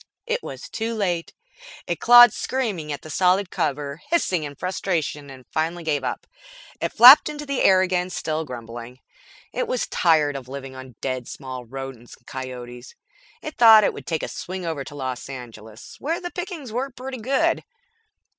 It was too late. It clawed screaming at the solid cover, hissed in frustration and finally gave up. It flapped into the air again, still grumbling. It was tired of living on dead small rodents and coyotes. It thought it would take a swing over to Los Angeles, where the pickings were pretty good.